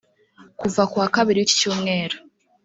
Kuva kuwa Kabiri w’iki cyumweru